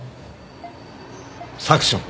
サクション。